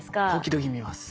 時々見ます。